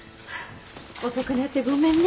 遅くなってごめんね。